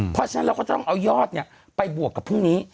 เพราะฉะนั้นเราก็จะต้องเอายอดไปบวกกับพรุ่งนี้